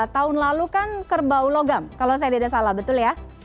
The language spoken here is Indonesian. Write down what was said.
tahun lalu kan kerbau logam kalau saya tidak salah betul ya